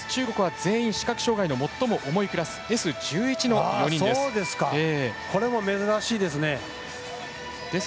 全員視覚障がいの最も重いクラスＳ１１の選手です。